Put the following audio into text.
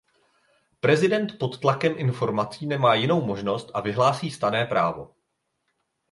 Prezident pod tlakem informací nemá jinou možnost a vyhlásí stanné právo.